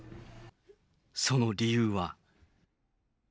その理由は。